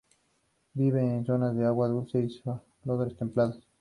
Vive en zonas de aguas dulces y salobres templadas.